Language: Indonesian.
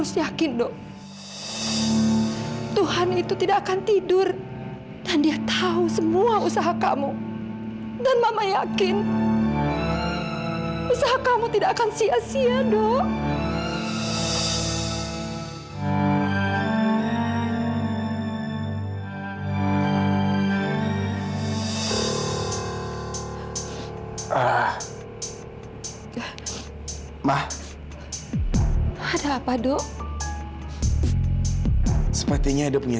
sampai jumpa di video selanjutnya